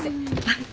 あっ。